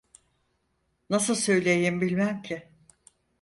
Nasıl söyleyeyim bilmem ki…